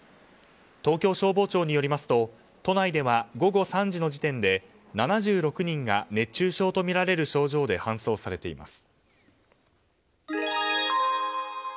東京消防庁によりますと都内では午後３時の時点で７６人が熱中症とみられる症状で搬送されています。